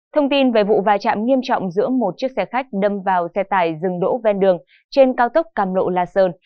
thông tin về vụ va chạm nghiêm trọng giữa một chiếc xe khách đâm vào xe tải dừng đỗ ven đường trên cao tốc càm lộ la sơn